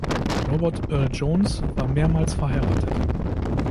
Robert Earl Jones war mehrmals verheiratet.